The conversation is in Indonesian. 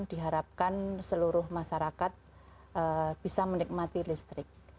diharapkan seluruh masyarakat bisa menikmati listrik